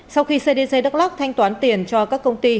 sau khi cdc đắk lắc thanh toán tiền cho các công ty